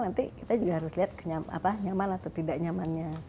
nanti kita juga harus lihat nyaman atau tidak nyamannya